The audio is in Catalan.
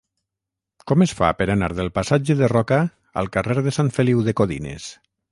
Com es fa per anar del passatge de Roca al carrer de Sant Feliu de Codines?